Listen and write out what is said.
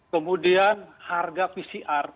kemudian harga pcr